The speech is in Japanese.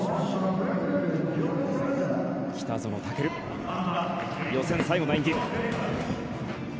北園丈琉、予選最後の演技。